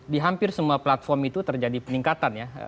di hampir semua platform itu terjadi peningkatan ya